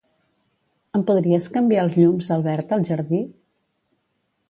Em podries canviar els llums al verd al jardí?